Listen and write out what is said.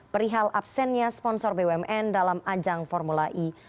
perihal absennya sponsor bumn dalam ajang formula e